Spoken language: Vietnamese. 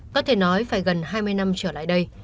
có thể nói phải gần hai mươi năm trở lại đây